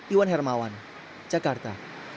iwan hermawan jakarta